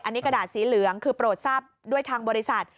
อันนี้กระดาษสีเหลืองคือโปรดทราบด้วยทางบริษัท